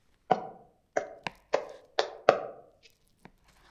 Unguja Mjini magharibi unguja kaskazini na unguja kusini inapatikana unguja